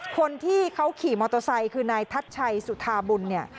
คนที่เขาขี่มอเตอร์ไซค์คือนายทัชชัยสุธาบุญเนี่ย